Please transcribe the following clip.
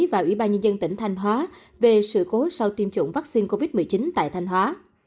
và ủy ban nhân dân tỉnh thanh hóa về sự cố sau tiêm chủng vaccine covid một mươi chín tại thanh hóa